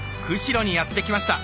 釧路にやって来ました